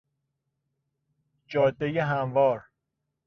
جادهی هموار